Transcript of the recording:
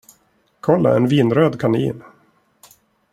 Kolla en vinröd kanin.